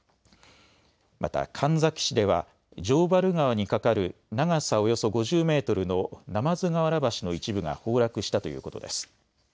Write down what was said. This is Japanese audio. また神埼市では城原川に架かる長さおよそ５０メートルの鯰河原橋の一部が崩落したということです。